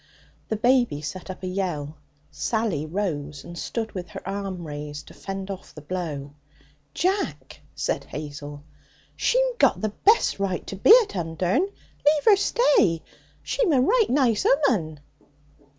The baby set up a yell. Sally rose and stood with her arm raised to fend off the blow. 'Jack,' said Hazel, 'she'm got the best right to be at Undern. Leave her stay! She'm a right nice 'ooman.'